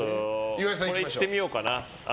これいってみようかな。